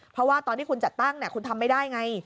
เพราะว่าตอนที่คุณจัดตั้งคุณทำไม่ได้ไง